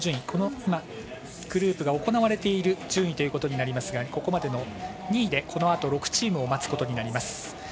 このグループが行われている順位となりますがここまでの２位でこのあと６チームを待つことになります。